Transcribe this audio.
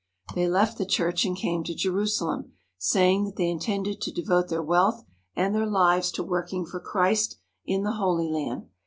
They left the church and came to Jerusalem, saying that they intended to devote their wealth and their lives to working for Christ in the Holy Land.